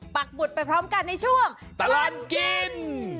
ปักบุตรไปพร้อมกันในช่วงตลอดกิน